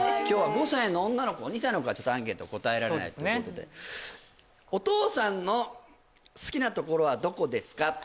今日は５歳の女の子２歳の子はちょっとアンケート答えられないってことでそうですねお父さんの好きなところはどこですか？